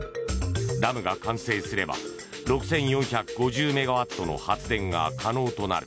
ダムが完成すれば６４５０メガワットの発電が可能となる。